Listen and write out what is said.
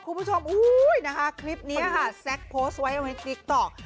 คุณผู้ชมอุ้ยนะคะคลิปนี้ค่ะแซคโพสต์ไว้ในติ๊กต๊อก